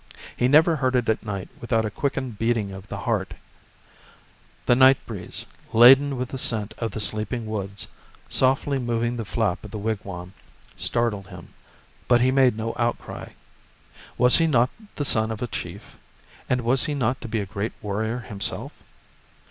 He never heard it at night without a quickened beating of the heart. The night breeze, laden with the scent of the sleeping woods, softly moving the flap of the wigwam, startled him, but he made no outcry. Was he not the son of a chief, and was he not to be a great warrior himself?